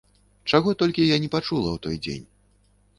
Чаго я толькі не пачула ў той дзень.